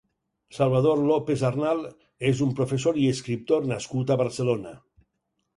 Salvador López Arnal és un professor i escriptor nascut a Barcelona.